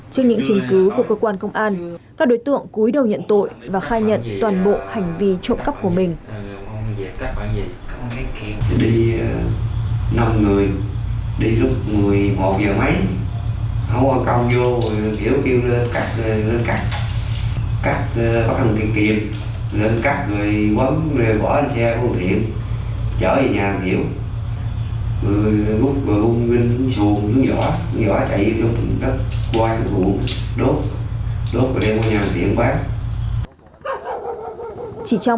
trên những trình cứu của cơ quan công an các đối tượng cúi đầu nhận tội và khai nhận toàn bộ hành vi trộm cắp của mình